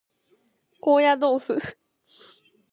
高野豆腐